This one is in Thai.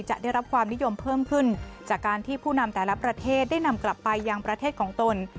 จะได้รับความนิยมเพิ่มขึ้นจากการที่ผู้นำแต่ละประเทศได้นำกลับไปยังประเทศของตน